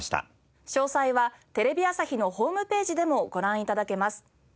詳細はテレビ朝日のホームページでもご覧頂けます。